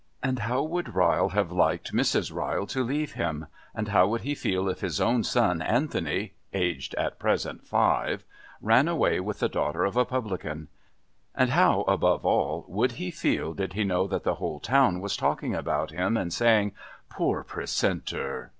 And how would Ryle have liked Mrs. Ryle to leave him? And how would he feel if his son, Anthony (aged at present five), ran away with the daughter of a publican? And how, above all, would he feel did he know that the whole town was talking about him and saying "Poor Precentor!"?